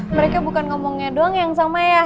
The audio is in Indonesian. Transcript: mereka bukan ngomongnya doang yang sama ya